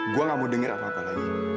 gua gak mau dengar apa apa lagi